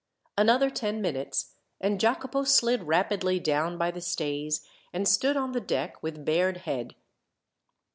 Another ten minutes, and Jacopo slid rapidly down by the stays, and stood on the deck with bared head.